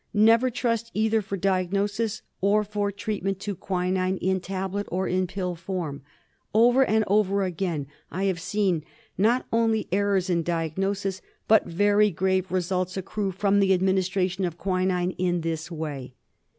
Never trust, either for diagnosis or for treatment, to quinine in tab loid or in pill form. Over and over again I have seen not only errors in diagnosis but very grave results accrue from the administration of quinine in this way.